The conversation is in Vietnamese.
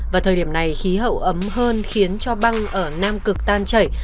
vào thời điểm này khí hậu ấm hơn khiến cho băng ở nam cực tan chảy